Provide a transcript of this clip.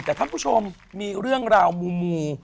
แต่ท่านผู้ชมมีเรื่องราวมู